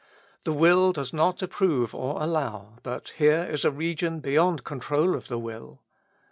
The will does not approve or allow, but here is a region beyond con trol of the will.